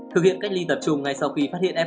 thực hiện cách ly tập trung ngay sau khi phát hiện em